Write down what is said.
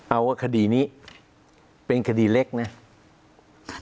เอาว่าคดีนี้เป็นคดีเล็กนะแต่คนใหญ่